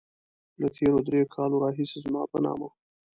له تېرو دريو کالو راهيسې زما په نامه.